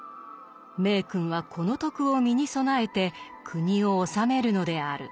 明君はこの徳を身に備えて国を治めるのである。